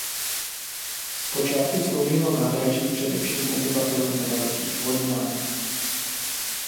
Zpočátku sloužilo nádraží především obyvatelům nedalekých Vodňan.